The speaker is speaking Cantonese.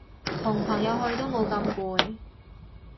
同朋友去都冇咁攰